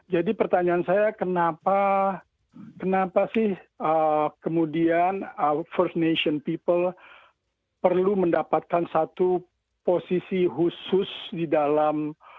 jadi pertanyaan saya kenapa kenapa sih kemudian first nation people perlu mendapatkan satu posisi khusus di dalam negara australia